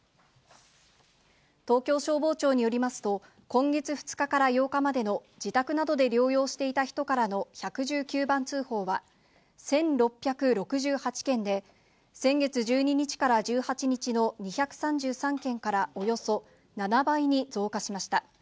東京消防庁によりますと、今月２日から８日までの自宅などで療養していた人からの１１９番通報は１６６８件で、先月１２日から１８日の２３３件からおよそ７倍に増加しました。